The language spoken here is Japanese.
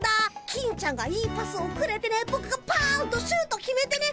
金ちゃんがいいパスをくれてねぼくがパンとシュート決めてね。